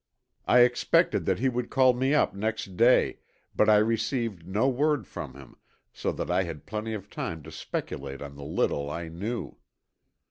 I expected that he would call me up next day, but I received no word from him, so that I had plenty of time to speculate on the little I knew.